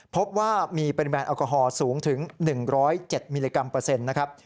พบว่ามีเป็นแมนแอลกอฮอลสูงถึง๑๐๗มิลลิกรัมเปอร์เซ็นต์นะครับ